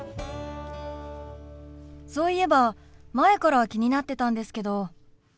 そういえば前から気になってたんですけど。